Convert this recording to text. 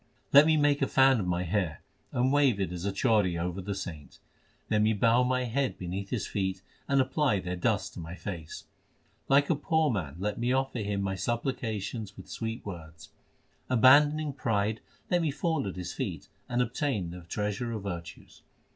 Let me make a fan of my hair, and wave it as a chauri over the saint ; Let me bow my head beneath his feet, and apply their dust to my face ; Like a poor man let me offer him my supplication with sweet words ; Abandoning pride let me fall at his feet, and obtain the treasure of virtues.